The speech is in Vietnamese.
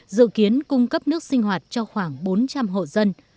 dự kiến cung cấp nước sinh hoạt cho khoảng bốn trăm linh hộ dân